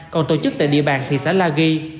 còn tổ chức tại địa bàn thị xã la ghi